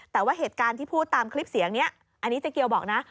แต่ว่าเหตุการณ์ที่พูดตามคลิปเสียงนี้อันนี้เจ๊เกียวบอกนะ